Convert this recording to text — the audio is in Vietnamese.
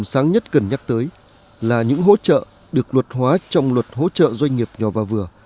sáng nhất cần nhắc tới là những hỗ trợ được luật hóa trong luật hỗ trợ doanh nghiệp nhỏ và vừa